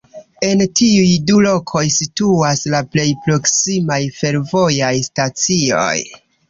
En tiuj du lokoj situas la plej proksimaj fervojaj stacioj.